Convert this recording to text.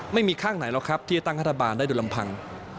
ไม่มีข้างไหนหรอกครับที่จะตั้งรัฐบาลได้โดยลำพัง